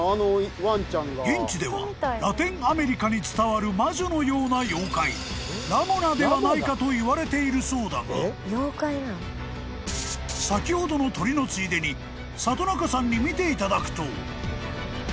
［現地ではラテンアメリカに伝わる魔女のような妖怪ラモナではないかといわれているそうだが先ほどの鳥のついでに里中さんに見ていただくと］